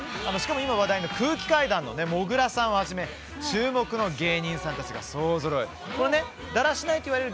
話題の空気階段のもぐらさんをはじめ注目の芸人さんたちが集まっています。